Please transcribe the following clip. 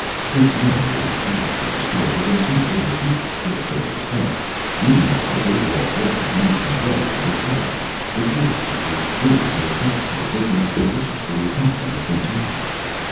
This man will be captured and destroyed within two days. You said so yourself. Meanwhile, we're all working night and day on the war effort. The warfleet is waiting near Proxima, taking up positions for the attack on the Centaurans.